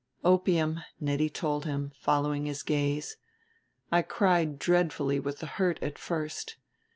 "Opium," Nettie told him, following his gaze; "I cried dreadfully with the hurt at first.